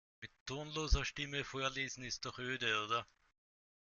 Mit tonloser Stimme vorlesen ist doch öde, oder?